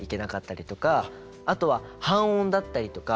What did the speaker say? あとは半音だったりとか。